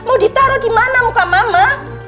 mau ditaruh di mana muka mama